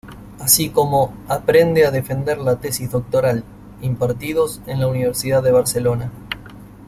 Así como Aprende a defender la tesis doctoral," impartidos en la Universidad de Barcelona.